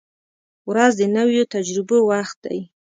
• ورځ د نویو تجربو وخت دی.